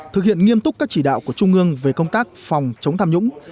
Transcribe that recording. thực hiện nghiêm túc các chỉ đạo của trung ương về công tác phòng chống tham nhũng